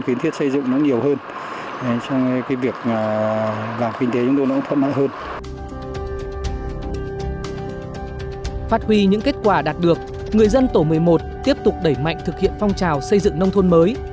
phát huy những kết quả đạt được người dân tổ một mươi một tiếp tục đẩy mạnh thực hiện phong trào xây dựng nông thôn mới